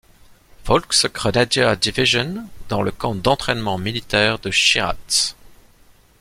Volks-Grenadier-Division dans le camp d'entrainement militaire de Schieradz.